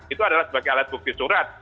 itu adalah sebagai alat bukti surat